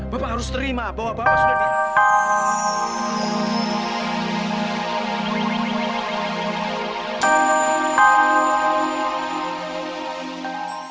bapak harus terima bahwa bapak sudah diterima